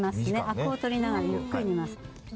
アクを取りながらゆっくり煮ます。